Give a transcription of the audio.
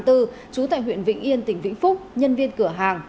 trú tại huyện vĩnh yên tỉnh vĩnh phúc nhân viên cửa hàng